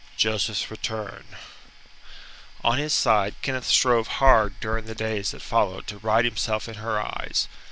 JOSEPH'S RETURN On his side Kenneth strove hard during the days that followed to right himself in her eyes.